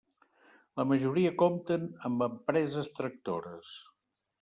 La majoria compten amb empreses tractores.